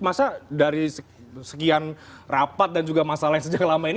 masa dari sekian rapat dan juga masalah yang sejak lama ini